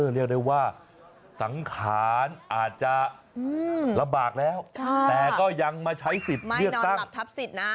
เรียกได้ว่าสังขารอาจจะระบากแล้วแต่ก็ยังมาใช้ศิลป์ไม่นอนหลับทับศิษย์นะ